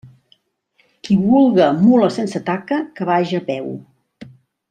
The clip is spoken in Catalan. Qui vulga mula sense taca, que vaja a peu.